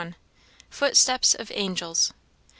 Footsteps of Angels.